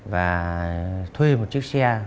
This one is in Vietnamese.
và thuê một chiếc xe